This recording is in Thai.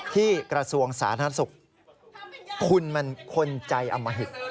กระทรวงสาธารณสุขคุณมันคนใจอมหิต